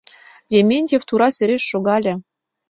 Дементьев тура сереш шогале.